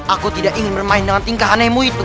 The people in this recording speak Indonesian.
aku tidak ingin bermain dengan tingkah anemo itu